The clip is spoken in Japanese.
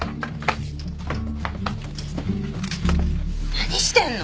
何してんの？